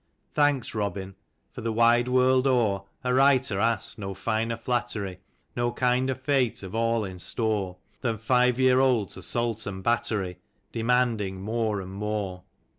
Thanks, Robin : for the wide world o'er A writer asks no finer flattery, No kinder fate of all in store, Than Five years old's assault and battery Demanding more and more.